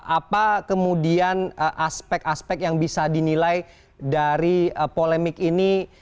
apa kemudian aspek aspek yang bisa dinilai dari polemik ini